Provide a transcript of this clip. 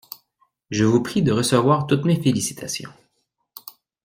Je vous prie de recevoir toutes mes félicitations.